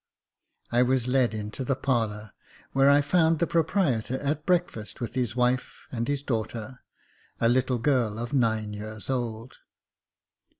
I was led into the parlour, where I found the proprietor at breakfast with his wife and his daughter, a little girl nine years old.